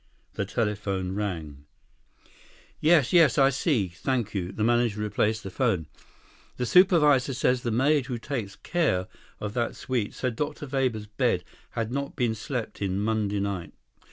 The telephone rang. "Yes. Yes. I see. Thank you." The manager replaced the phone. "The supervisor says the maid who takes care of that suite said Dr. Weber's bed had not been slept in Monday night."